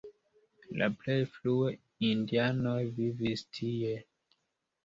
La plej frue indianoj vivis tie.